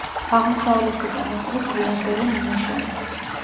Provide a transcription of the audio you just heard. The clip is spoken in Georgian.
აღმოსავლეთიდან ეკვრის გვიანდელი მინაშენი.